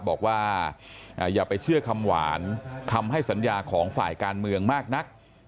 บอกว่าอย่าไปเชื่อคำหวานคำให้สัญญาของฝ่ายการเมืองมากนัก